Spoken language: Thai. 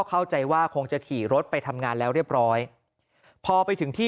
เข้าใจว่าคงจะขี่รถไปทำงานแล้วเรียบร้อยพอไปถึงที่